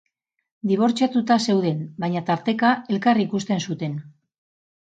Dibortziatuta zeuden, baina tarteka elkar ikusten zuten.